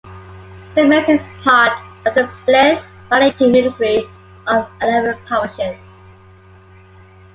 Saint Mary's is part of the Blyth Valley Team Ministry of eleven parishes.